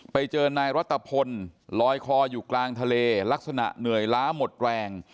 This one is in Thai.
ไปเจอนายรัฐพลลอยคออยู่กลางทะเลลักษณะเหนื่อยล้าหมดแรง